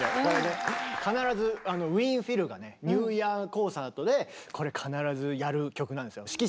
これね必ずウィーン・フィルがねニューイヤーコンサートでこれ必ずやる曲なんですよ。